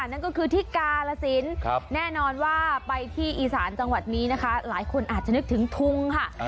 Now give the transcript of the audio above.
นั่นก็คือที่กาลสินแน่นอนว่าไปที่อีสานจังหวัดนี้นะคะหลายคนอาจจะนึกถึงทุงค่ะ